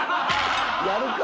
やるか！